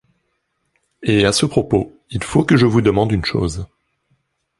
Et à ce propos, il faut que je vous demande une chose.